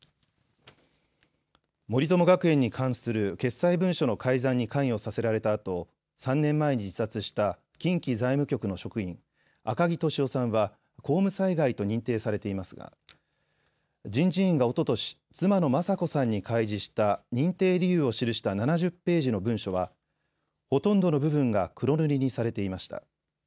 森友学園に関する決裁文書の改ざんに関与させられたあと３年前に自殺した近畿財務局の職員、赤木俊夫さんは公務災害と認定されていますが人事院がおととし、妻の雅子さんに開示した認定理由を記した７０ページの文書はほとんどの部分が黒塗りにされていました。